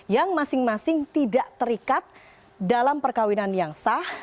yang masing masing tidak terikat dalam perkawinan yang sah